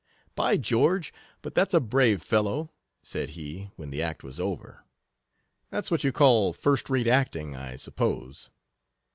" By George, but that's a brave fellow," said he, when the act was over ;" that h what you call first rate acting, 1 suppose."